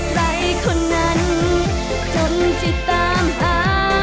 ใครคนนั้นคนที่ตามหา